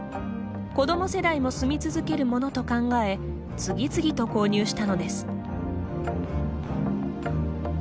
子ども世代も住み続けるものと考え、次々と購入したのです。